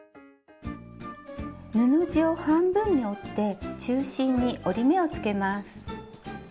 布地を半分に折って中心に折り目をつけます。